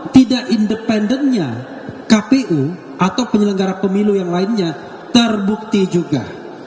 tidak independennya kpu atau penyelenggara pemilu yang lainnya terbukti juga